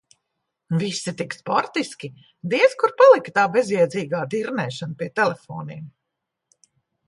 Visi tik sportiski, diez kur palika bezjēdzīgā dirnēšana pie telefoniem.